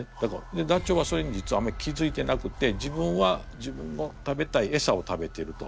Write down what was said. でダチョウはそれに実はあんまり気付いてなくて自分は自分の食べたいエサを食べてると。